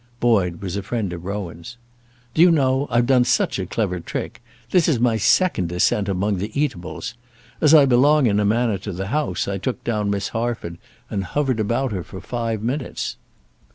Boyd was a friend of Rowan's. "Do you know, I've done such a clever trick. This is my second descent among the eatables. As I belong in a manner to the house I took down Miss Harford, and hovered about her for five minutes.